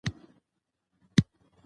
اوس ورشه ورسره خبرې وکړه.